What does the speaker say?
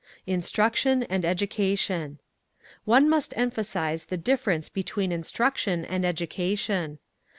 Instruction and Education: One must emphasise the difference between instruction and education.